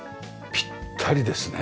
ぴったりですね。